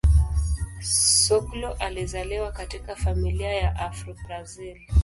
Soglo alizaliwa katika familia ya Afro-Brazil.